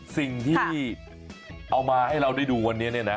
สิ่งที่เอามาให้เราได้ดูวันนี้เนี่ยนะ